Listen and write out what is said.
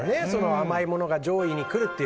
甘いものが上位に来るっていう。